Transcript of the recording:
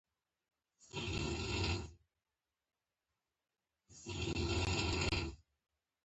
هغه وویل چې د دې سړي نوم بیپو دی.